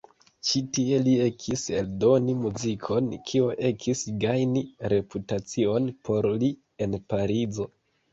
Ĉi tie li ekis eldoni muzikon, kio ekis gajni reputacion por li en Parizo.